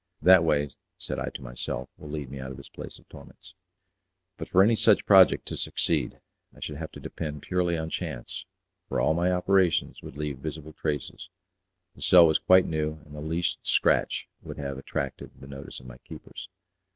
"That way," said I to myself, "will lead me out of this place of torments." But for any such project to succeed I should have to depend purely on chance, for all my operations would leave visible traces. The cell was quite new, and the least scratch would have attracted the notice of my keepers.